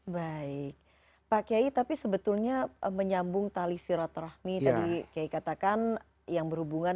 baik pak kiai tapi sebetulnya menyambung tali sirot rahmi tadi kiai katakan yang berhubungan